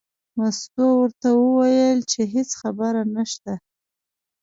مستو ورته وویل چې هېڅ خبره نشته.